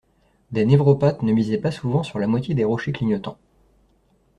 Des névropathes ne misaient pas souvent sur la moitié des rochers clignotants.